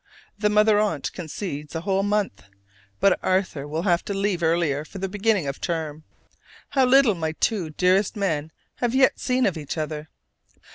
The Mother Aunt concedes a whole month, but Arthur will have to leave earlier for the beginning of term. How little my two dearest men have yet seen of each other!